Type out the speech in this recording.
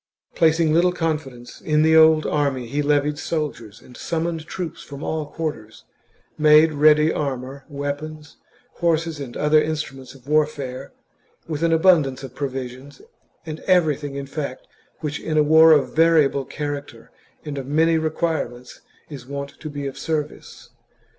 Placing little confidence in the old army, he levied soldiers and summoned troops from all quarters; made ready armour, weapons, horses, and the other instruments of warfare, with an abun dance of provisions, and everything in fact which in a war of variable character and of many requirements, is wont to be of service.